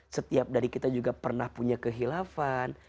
setiap dari kita juga pernah punya kehilafan